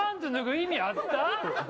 意味あった？